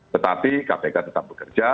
tetapi kpk tetap bekerja